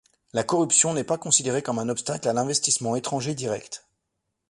La corruption n'est pas considérée comme un obstacle à l'investissement étranger direct.